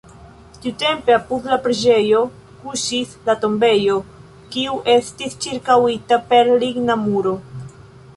Tiutempe apud la preĝejo kuŝis la tombejo, kiu estis ĉirkaŭita per ligna muro.